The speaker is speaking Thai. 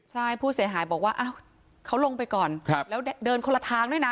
ใช่ผู้เสียหายบอกว่าเขาลงไปก่อนแล้วเดินคนละทางด้วยนะ